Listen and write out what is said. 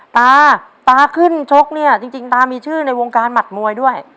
ตาตาขึ้นชกเนี่ยจริงตามีชื่อในวงการหมัดมวยด้วย